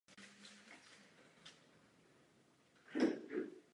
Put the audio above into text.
Proto mu je vidět jen hlava.